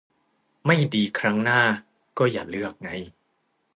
ไม่ดีครั้งหน้าก็อย่าเลือกไง